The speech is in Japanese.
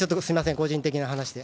個人的な話で。